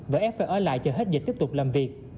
và ép phải ở lại chờ hết dịch tiếp tục làm việc